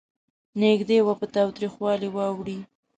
نږدې وه په تاوتریخوالي واوړي.